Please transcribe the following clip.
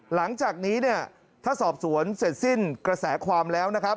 หลังจากนี้ถ้าสอบสวนเสร็จสิ้นกระแสความแล้ว